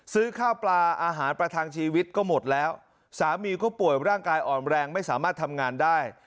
ซื้อข้าวปลาอาหารประทังชีวิตก็หมดแล้วสามีก็ป่วยร่างกายอ่อนแรงไม่สามารถทำงานได้